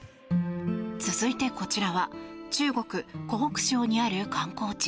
続いて、こちらは中国・湖北省にある観光地。